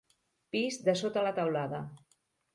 Pis de sota la teulada.